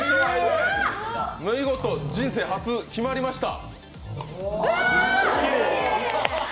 見事、人生初、決まりました。